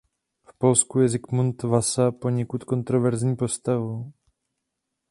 V Polsku je Zikmund Vasa poněkud kontroverzní postavou.